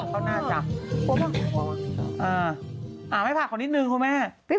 เป็นยังไงอ่ะทำยังไงอ่ะ